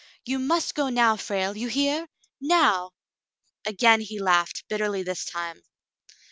"You must go now, Frale, you hear .^^ Now!" Again he laughed, bitterly this time.